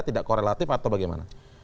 tidak korelatif atau bagaimana